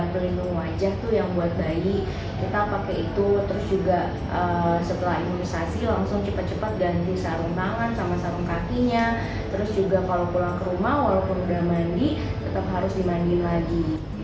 terus juga kalau pulang ke rumah walaupun udah mandi tetap harus dimandiin lagi